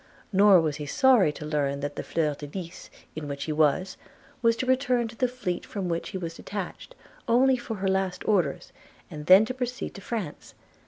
Nor was he sorry to learn that the Fleur de Lys, in which he was, was to return to the fleet from which he was detached, only for her last orders, and then to proceed to France.